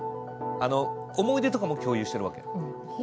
思い出とかも共有してるわけ。